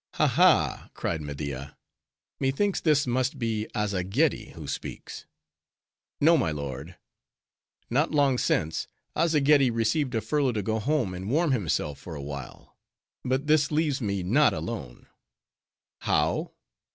"Ha, ha," cried Media, "methinks this must be Azzageddi who speaks." "No, my lord; not long since, Azzageddi received a furlough to go home and warm himself for a while. But this leaves me not alone." "How?"